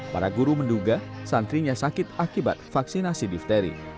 para guru menduga santrinya sakit akibat vaksinasi difteri